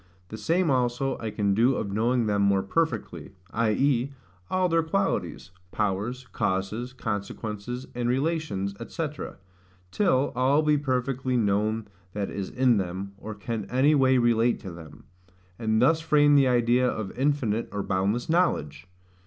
The same also I can do of knowing them more perfectly; i.e. all their qualities, powers, causes, consequences, and relations, &c., till all be perfectly known that is in them, or can any way relate to them: and thus frame the idea of infinite or boundless knowledge.